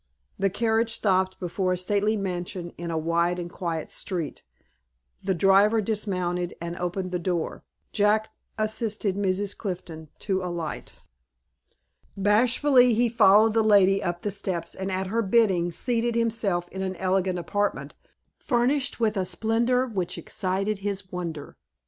The carriage stopped before a stately mansion in a wide and quiet street. The driver dismounted, and opened the door. Jack assisted Mrs. Clifton to alight. Bashfully, he followed the lady up the steps, and, at her bidding, seated himself in an elegant apartment, furnished with a splendor which excited his wonder.